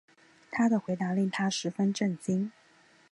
他的回答令她十分震惊